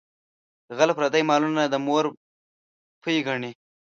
غل پردي مالونه د مور پۍ ګڼي.